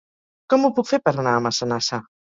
Com ho puc fer per anar a Massanassa?